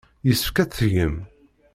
Yessefk ad t-tgem.